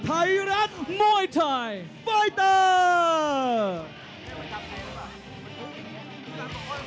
ไทรันมวยไทฟอยเตอร์